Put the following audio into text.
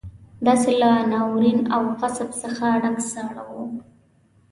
داسې له ناورين او غضب څخه ډک ساړه وو.